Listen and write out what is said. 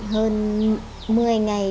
hơn một mươi ngày